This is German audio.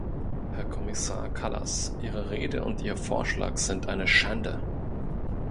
Herr Kommissar Kallas, Ihre Rede und Ihr Vorschlag sind eine Schande.